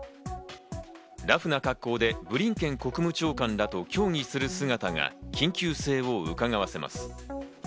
ラフな格好でブリンケン国務長官らと協議する姿が緊急性をうかがわせます。